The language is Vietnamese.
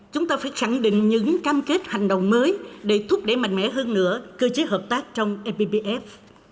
chúng ta phải khẳng định những cam kết hành động mới để thúc đẩy mạnh mẽ hơn nữa cơ chế hợp tác trong epf